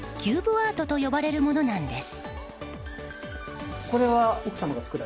アートと呼ばれるものなんです。